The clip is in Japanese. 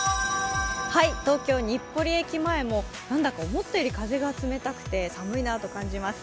東京・日暮里駅前もなんだか思ったより風は冷たくて寒いなと感じます。